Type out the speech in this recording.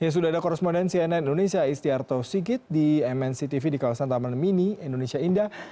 sudah ada korrespondensi nn indonesia istiarto sikit di mnc tv di kawasan taman mini indonesia indah